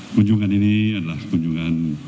kunjungan ini adalah kunjungan